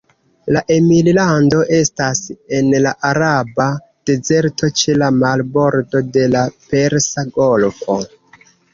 La emirlando estas en la Araba Dezerto ĉe la marbordo de la Persa Golfo.